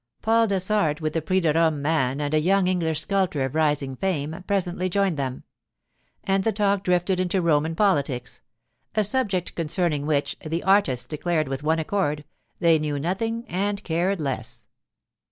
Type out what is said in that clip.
Paul Dessart, with the Prix de Rome man and a young English sculptor of rising fame, presently joined them; and the talk drifted into Roman politics—a subject concerning which, the artists declared with one accord, they knew nothing and cared less.